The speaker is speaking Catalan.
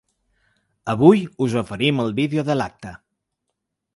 Avui us oferim el vídeo de l’acte.